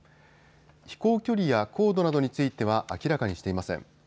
飛行距離や高度などについては明らかにしていません。